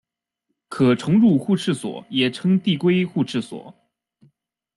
可重入互斥锁也称递归互斥锁。